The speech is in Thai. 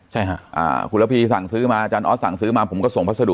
ใช่ค่ะอ่าผู้รพีสั่งซื้อมาออศ์สั่งซื้อมาผมก็ส่งพัสดุ